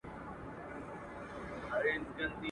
جادوګر دانې را وایستې دباندي.